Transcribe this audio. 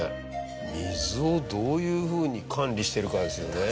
水をどういうふうに管理してるかですよね。